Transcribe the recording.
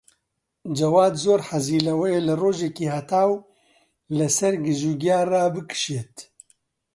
جەواد زۆر حەزی لەوەیە لە ڕۆژێکی هەتاو لەسەر گژوگیا ڕابکشێت.